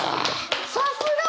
さすが！